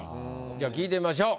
じゃあ聞いてみましょう。